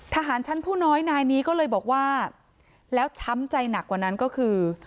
ทหารชั้นผู้น้อยนายนี้ก็เลยบอกว่าแล้วช้ำใจหนักกว่านั้นก็คือ